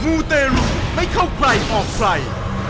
มูเตรุไม่เข้าใครออกใคร